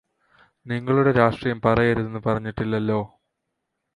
നിങ്ങളുടെ രാഷ്ട്രീയം പറയരുതെന്നു പറഞ്ഞിട്ടില്ലല്ലോ.